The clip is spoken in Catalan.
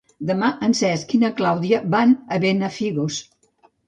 Demà en Cesc i na Clàudia van a Benafigos.